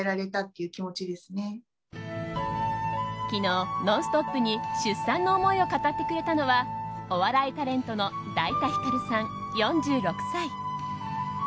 昨日、「ノンストップ！」に出産の思いを語ってくれたのはお笑いタレントのだいたひかるさん、４６歳。